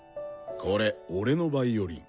これ俺のヴァイオリン。